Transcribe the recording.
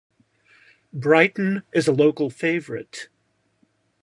Brighton is a local favorite.